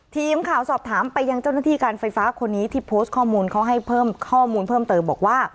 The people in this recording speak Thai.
ทีมข่าวสอบถามไปยังเจ้าหน้าที่การไฟฟ้าคนนี้ที่โพสต์ข้อมูลเขาให้เพิ่มข้อมูลเพิ่มเติมบอกว่า